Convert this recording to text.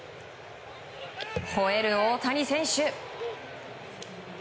ほえる大谷選手。